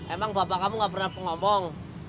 emang bapak kamu enggak pernah mau ngomong